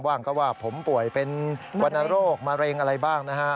บ้างก็ว่าผมป่วยเป็นวรรณโรคมะเร็งอะไรบ้างนะฮะ